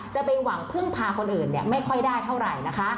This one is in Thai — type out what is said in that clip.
จะไปหวังพึ่งพาคนอื่นไม่ค่อยได้เท่าไหร่นะคะ